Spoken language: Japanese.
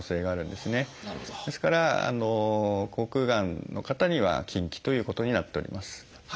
ですから口腔がんの方には禁忌ということになっております。